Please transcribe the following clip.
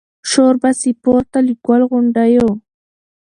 شور به سي پورته له ګل غونډیو